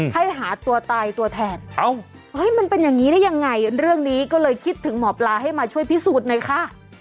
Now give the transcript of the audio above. ให้หาตัวตายตัวแทนมันเป็นอย่างนี้ได้ยังไงเรื่องนี้ก็เลยคิดถึงหมอปลาให้มาช่วยพิสูจน์หน่อยค่ะ